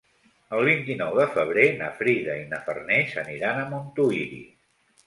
El vint-i-nou de febrer na Frida i na Farners aniran a Montuïri.